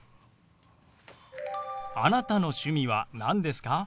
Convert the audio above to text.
あなたの趣味は何ですか？